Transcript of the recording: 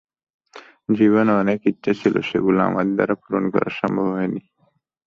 জীবনে অনেক ইচ্ছা ছিল, যেগুলো আমার দ্বারা পূরণ করা সম্ভব হয়নি।